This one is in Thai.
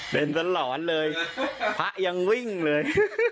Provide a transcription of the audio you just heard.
เป็นสลอนเลยพระยังวิ่งเลย